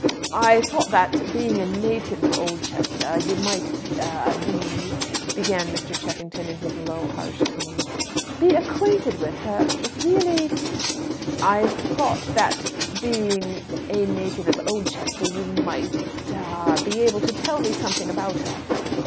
"I thought that, being a native of Oldchester, you might a be " begun Mr. Cheffington in his low, harsh tones. "Be acquainted with her? Really " "I thought that, being a native of Oldchester, you might a be able to tell me something about her."